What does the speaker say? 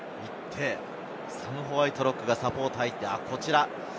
サム・ホワイトロックがサポートに入って。